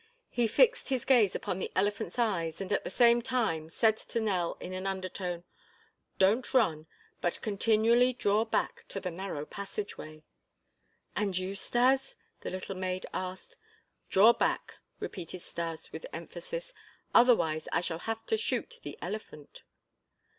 He fixed his gaze upon the elephant's eyes and at the same time said to Nell in an undertone: "Don't run, but continually draw back to the narrow passageway." "And you, Stas?" the little maid asked. "Draw back!" repeated Stas with emphasis, "otherwise I shall have to shoot the elephant."